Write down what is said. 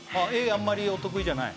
あんまりお得意じゃない？